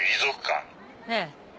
ええ。